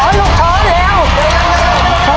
ท้อนลูกท้อนเร็ว